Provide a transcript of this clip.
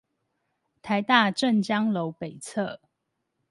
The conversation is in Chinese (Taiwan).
臺大鄭江樓北側